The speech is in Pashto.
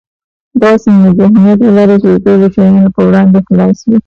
داسې ذهنيت ولره چې د ټولو شیانو په وړاندې خلاص وي.